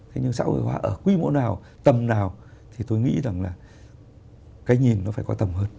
thế nhưng xã hội hóa ở quy mô nào tầm nào thì tôi nghĩ rằng là cái nhìn nó phải có tầm hơn